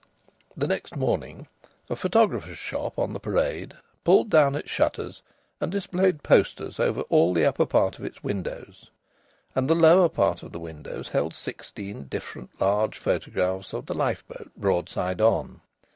The next morning a photographer's shop on the Parade pulled down its shutters and displayed posters all over the upper part of its windows. And the lower part of the windows held sixteen different large photographs of the lifeboat broad side on.